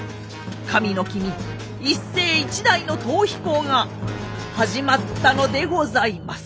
神の君一世一代の逃避行が始まったのでございます。